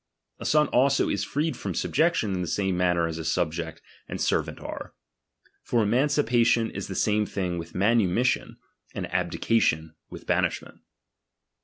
A son also is freed from subjec ^^1 "tion in the same manner as a subject and servant xtre. For emancipation is the same thing with v^ianumission, and abdication with banishment.